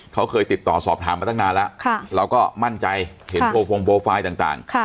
เขาเคยติดต่อสอบถามมาตั้งนานแล้วเราก็มั่นใจเห็นโปรโฟงโปรไฟล์ต่าง